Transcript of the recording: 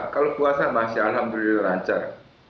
kalau puasa masih alhamdulillah lancar